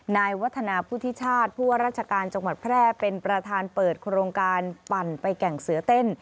นายวัฒนาพุทธิชาติผู้ว่าราชการจังหวัดแพร่เป็นประธานเปิดโครงการปั่นไปแก่งเสือเต้น